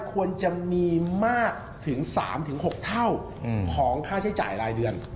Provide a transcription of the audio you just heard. ควรจะมีมากถึง๓๖เท่าของค่าใช้จ่ายรายเดือน